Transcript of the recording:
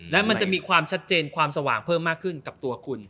และมันจะมีความชัดเจนความสว่างเพิ่มมากขึ้นกับตัวคุณ